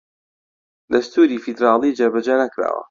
دەستووری فیدڕاڵی جێبەجێ نەکراوە